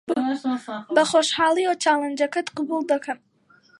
بەخۆشحاڵییەوە چالێنجەکەت قبوڵ دەکەم.